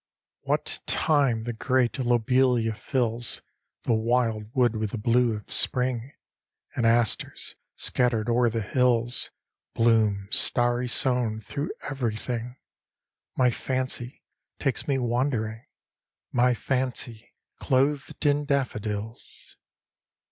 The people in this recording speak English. XX What time the great lobelia fills The wildwood with the blue of spring And asters, scattered o'er the hills, Bloom, starry sown, through everything My fancy takes me wandering, My fancy, clothed in daffodils.